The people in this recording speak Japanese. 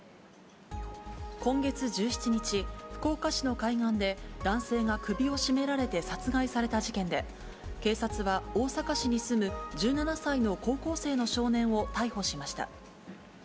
今月１７日、福岡市の海岸で男性が首を絞められて殺害された事件で、警察は大阪市に住む１７歳の高校生の少年を逮捕しました。